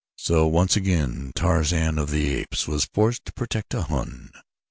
So once again Tarzan of the Apes was forced to protect a Hun.